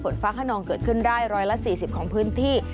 ฟ้าขนองเกิดขึ้นได้๑๔๐ของพื้นที่